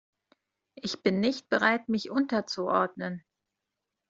Ich bin nicht bereit, mich unterzuordnen.